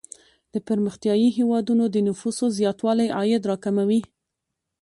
د پرمختیايي هیوادونو د نفوسو زیاتوالی عاید را کموي.